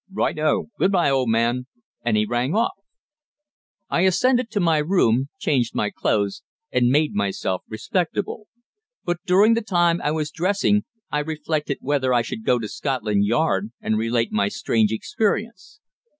"Right ho! Good bye, old man," and he rang off. I ascended to my room, changed my clothes, and made myself respectable. But during the time I was dressing I reflected whether I should go to Scotland Yard and relate my strange experience.